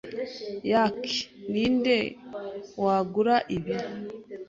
Yuck! Ninde wagura ibi?